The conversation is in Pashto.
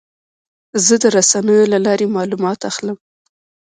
زه د رسنیو له لارې معلومات اخلم.